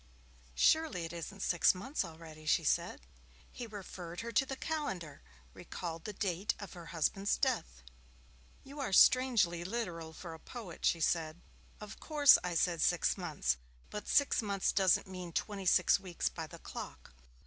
'Surely it isn't six months already,' she said. He referred her to the calendar, recalled the date of her husband's death. 'You are strangely literal for a poet,' she said. 'Of course I said six months, but six months doesn't mean twenty six weeks by the clock.